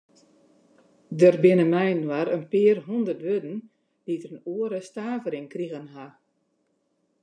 Der binne mei-inoar in pear hûndert wurden dy't in oare stavering krigen hawwe.